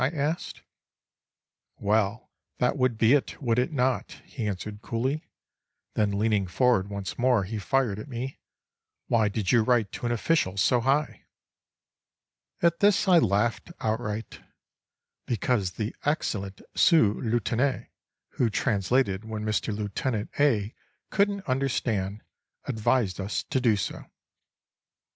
I asked. "Well, that would be it, would it not?" he answered coolly. Then, leaning forward once more, he fired at me: "Why did you write to an official so high?" At this I laughed outright. "Because the excellent sous lieutenant who translated when Mr. Lieutenant A. couldn't understand advised us to do so."